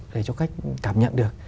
để cho khách cảm nhận được